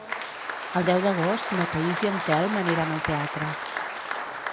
El deu d'agost na Thaís i en Telm aniran al teatre.